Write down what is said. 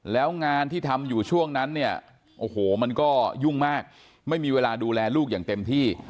แล้วงานที่ทำอยู่ช่วงนั้นเนี่ยโอ้โหมันก็ยุ่งมากไม่มีเวลาดูแลลูกอย่างเต็มที่